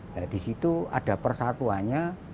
nah di situ ada persatuannya